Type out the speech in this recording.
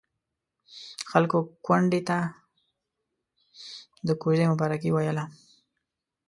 خلکو کونډې ته د کوژدې مبارکي ويله.